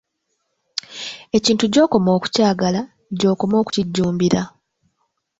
Ekintu gy'okoma okukyagala gy'okoma okukijjumbira.